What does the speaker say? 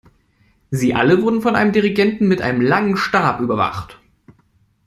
Sie alle wurde von einem "Dirigenten" mit einem langen Stab überwacht.